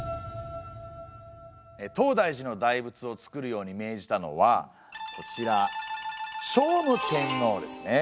東大寺の大仏を造るように命じたのはこちら聖武天皇ですね。